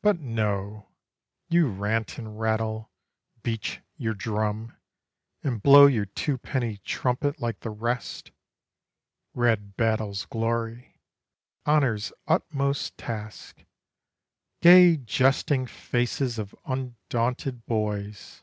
But no; you rant and rattle, beat your drum, And blow your two penny trumpet like the rest: "Red battle's glory," "honour's utmost task," "Gay jesting faces of undaunted boys